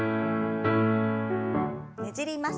ねじります。